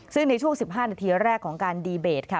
ซึ่งในช่วง๑๕นาทีแรกของการดีเบตค่ะ